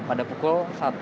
pada pukul satu